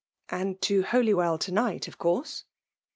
"*" And to Holywell to night, of course